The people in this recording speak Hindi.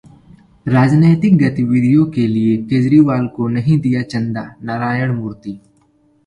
राजनैतिक गतिविधियों के लिए केजरीवाल को नहीं दिया चंदा: नारायण मूर्ति